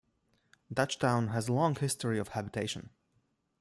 Dutchtown has a long history of habitation.